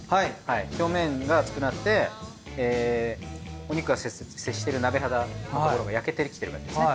表面が熱くなってお肉が接してる鍋肌のところが焼けてきてる感じですね。